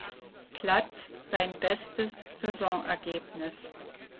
Platz sein bestes Saisonergebnis.